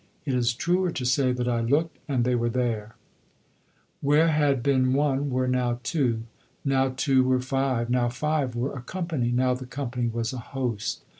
It is truer to say that I looked and they were there. Where had been one were now two. Now two were five; now five were a company; now the company was a host.